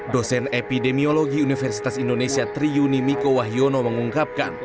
dosen epidemiologi universitas indonesia triyuni miko wahyono mengungkapkan